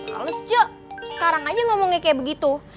hales ce sekarang aja ngomongnya kayak begitu